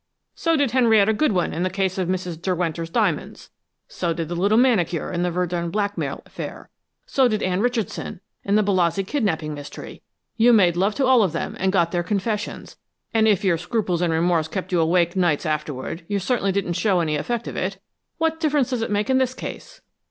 "So did Henrietta Goodwin, in the case of Mrs. Derwenter's diamonds; so did the little manicure, in the Verdun blackmail affair; so did Anne Richardson, in the Balazzi kidnaping mystery. You made love to all of them, and got their confessions, and if your scruples and remorse kept you awake nights afterward, you certainly didn't show any effect of it. What difference does it make in this case?"